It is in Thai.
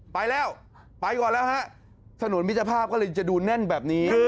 ไปแล้วไปก่อนแล้วฮะถนนมิตรภาพก็เลยจะดูแน่นแบบนี้